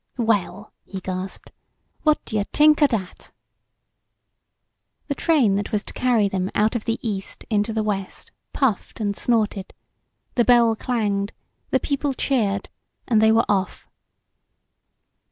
"Well," he gasped, "what d' you t'ink o' dat!" The train that was to carry them out of the East into the West puffed and snorted, the bell clanged, the people cheered, and they were off.